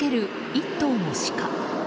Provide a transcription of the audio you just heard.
１頭のシカ。